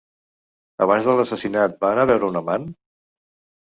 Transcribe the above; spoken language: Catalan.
Abans de l'assassinat, va anar a veure un amant?